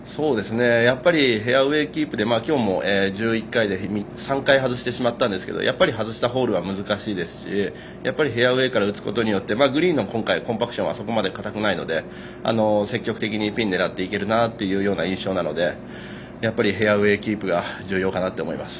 やっぱりフェアウエーキープで今日も１１回のうち３回外してしまったんですがやっぱり外したホールは難しいですし、フェアウエーから打つことによってグリーンのコンパクションは今回、そこまで硬くないので積極的にピンを狙っていけるという印象なのでやっぱりフェアウエーキープが重要かなと思います。